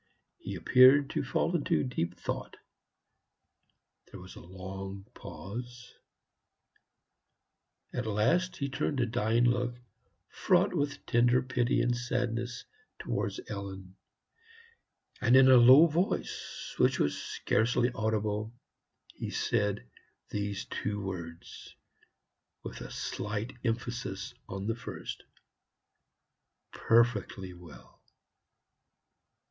He appeared to fall into deep thought. There was a long pause. At last he turned a dying look, fraught with tender pity and sadness, towards Ellen, and in a low voice, which was scarcely audible, he said these two words, with a slight emphasis on the first "PERFECTLY well."